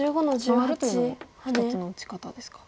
回るというのも一つの打ち方ですか。